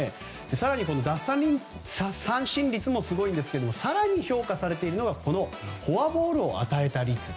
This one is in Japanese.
更に、奪三振率もすごいんですけども更に評価されているのがフォアボールを与えた率。